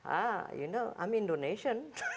ah you know i'm indonesian